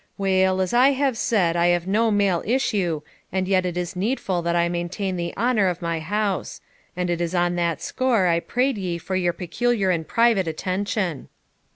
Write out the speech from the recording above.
Weel, as I have said, I have no male issue, and yet it is needful that I maintain the honour of my house; and it is on that score I prayed ye for your peculiar and private attention.'